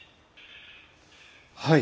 はい。